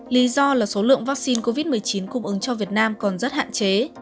lý do là số lượng vaccine covid một mươi chín cung ứng cho việt nam còn rất hạn chế